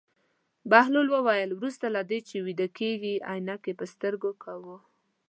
بهلول وویل: وروسته له دې چې ویده کېږې عینکې په سترګو کوه.